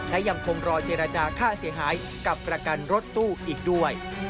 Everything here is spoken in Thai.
และยังคงรอเจรจาค่าเสียหายกับประกันรถตู้อีกด้วย